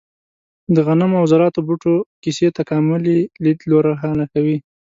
د غنمو او ذراتو بوټو کیسې تکاملي لید روښانه کوي.